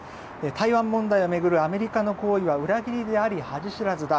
台湾問題を巡るアメリカの行為は裏切りであり恥知らずだ。